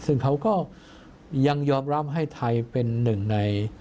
ซึ่งเขาก็ยังยอมรับให้ไทยเป็นหนึ่งใน